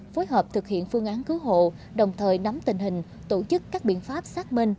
phối hợp thực hiện phương án cứu hộ đồng thời nắm tình hình tổ chức các biện pháp xác minh